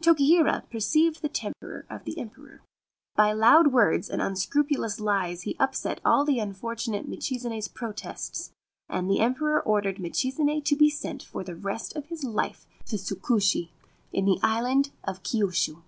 Tokihira perceived the temper of the Emperor. By loud words and unscrupulous lies he upset all the un fortunate Michizane's protests ; and the Emperor ordered Michizane to be sent for the rest of his life to Tsukushi, in the island of Kyushu.